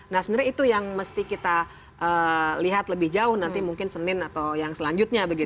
nah sebenarnya itu yang mesti kita lihat lebih jauh nanti mungkin senin atau yang selanjutnya